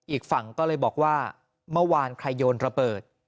อีกฝั่งก็เลยบอกว่าเมื่อวานใครโยนระเบิด